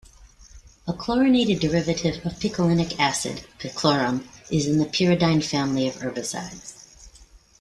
A chlorinated derivative of picolinic acid, picloram is in the pyridine family of herbicides.